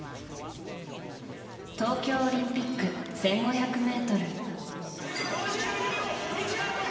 東京オリンピック１５００ｍ。